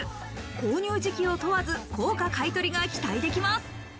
購入時期を問わず、高価買取が期待できます。